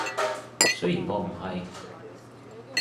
雖然我唔係